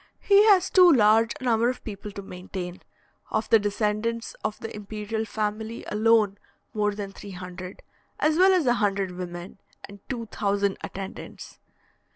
He has too large a number of people to maintain: of the descendants of the imperial family alone more than three hundred, as well as a hundred women, and two thousand attendants.